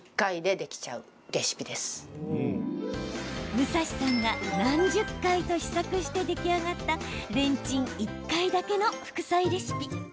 武蔵さんが何十回と試作して出来上がったレンチン１回だけの副菜レシピ。